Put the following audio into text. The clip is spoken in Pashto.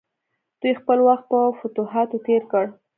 دوی خپل وخت په فتوحاتو تیر کړ.